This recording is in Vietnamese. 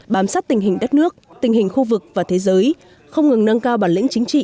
bám sát tình hình đất nước tình hình khu vực và thế giới không ngừng nâng cao bản lĩnh chính trị